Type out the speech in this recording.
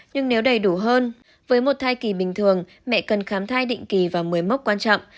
nhưng nếu đầy đủ hơn với một thai kỳ bình thường mẹ cần khám thai định kỳ và một mươi mốc quan trọng